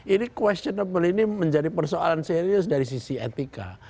ini questionnable ini menjadi persoalan serius dari sisi etika